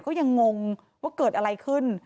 ก็ยังงงว่าเกิดอะไรขึ้น